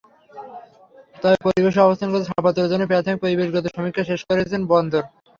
তবে পরিবেশের অবস্থানগত ছাড়পত্রের জন্য প্রাথমিক পরিবেশগত সমীক্ষা শেষ করেছে বন্দর।